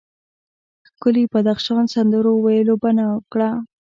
ښکلي بدخشان سندرو ویلو بنا وکړه.